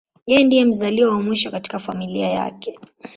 Yeye ndiye mzaliwa wa mwisho katika familia yake.